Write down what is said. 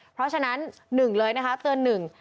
เพราะฉะนั้นหนึ่งเลยนะคะเตือนหนึ่ง